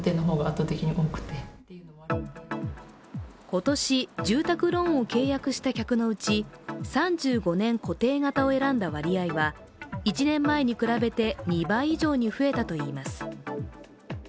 今年、住宅ローンを契約した客のうち３５年固定型を選んだ割合は１年前に比べて２倍以上に増えたといいます。